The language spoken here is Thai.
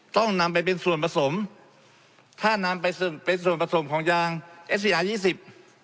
ต้องนำไปเป็นส่วนผสมถ้านำไปซึ่งเป็นส่วนผสมของยางเอสยายี่สิบ